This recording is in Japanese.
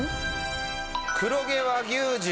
黒毛和牛重。